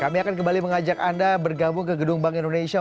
kami akan kembali mengajak anda bergabung ke gedung bank indonesia